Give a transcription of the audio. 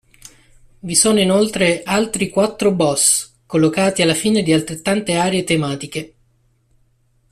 Vi sono, inoltre, altri quattro boss, collocati alla fine di altrettante aree tematiche.